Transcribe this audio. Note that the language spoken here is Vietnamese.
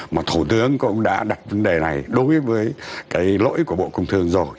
mà thủ tướng cũng đã đặt vấn đề này đối với cái lỗi của bộ công thương rồi